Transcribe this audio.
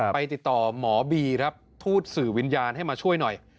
ไปติดต่อหมอบีครับทูตสื่อวิญญาณให้มาช่วยหน่อย